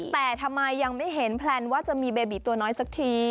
แต่ทำไมยังไม่เห็นแพลนว่าจะมีเบบีตัวน้อยสักที